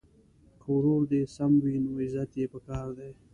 که ورور دي سم وي نو عزت یې په کار دی.